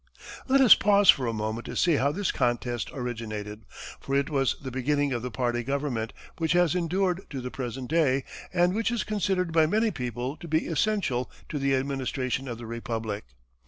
Let us pause for a moment to see how this contest originated, for it was the beginning of the party government which has endured to the present day, and which is considered by many people to be essential to the administration of the Republic.